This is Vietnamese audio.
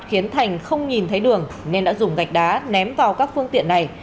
khiến thành không nhìn thấy đường nên đã dùng gạch đá ném vào các phương tiện này